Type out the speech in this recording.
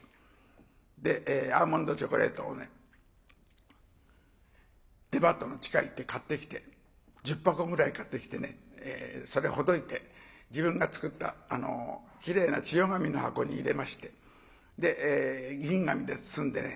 でアーモンドチョコレートをデパートの地下へ行って買ってきて１０箱ぐらい買ってきてそれほどいて自分が作ったきれいな千代紙の箱に入れまして銀紙で包んでね。